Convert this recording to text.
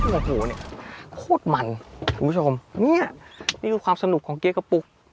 โอ้โหเนี่ยโคตรมันคุณผู้ชมเนี่ยนี่คือความสนุกของเก๊กระปุ๊ก